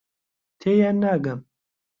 تێیان ناگەم.